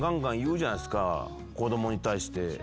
子供に対して。